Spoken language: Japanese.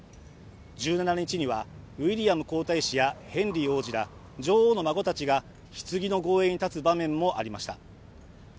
１７日にはウィリアム皇太子やヘンリー王子ら女王の孫たちがひつぎの護衛に立つ場面もありました。